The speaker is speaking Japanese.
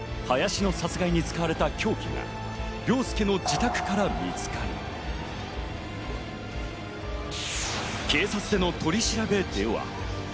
林の殺害に使われた凶器が凌介の自宅から見つかり、警察での取り調べでは。